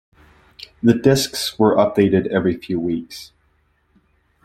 The discs were updated every few weeks.